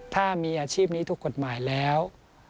ถ้ามีอาชีพนี้ถูกกฎหมายแล้ว